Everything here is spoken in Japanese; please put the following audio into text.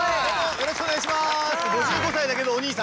よろしくお願いします。